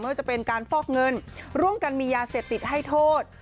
ว่าจะเป็นการฟอกเงินร่วมกันมียาเสพติดให้โทษ